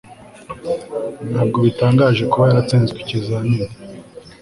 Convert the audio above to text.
Ntabwo bitangaje kuba yaratsinzwe ikizamini